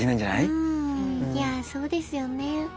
いやそうですよね。